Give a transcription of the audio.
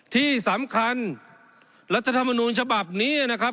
ที่สำคัญรัฐธรรมนูญฉบับนี้นะครับ